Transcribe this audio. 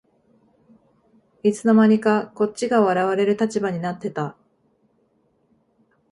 いつの間にかこっちが笑われる立場になってた